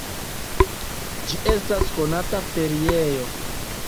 Ĝi estas konata feriejo.